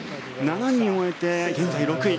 ７人終えて現在６位。